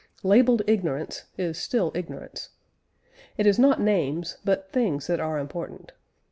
Labelled ignorance is still ignorance. It is not names, but things that are important.